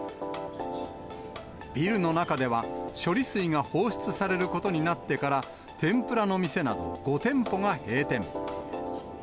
ビルの中では、処理水が放出されることになってから天ぷらの店など５店舗が閉店。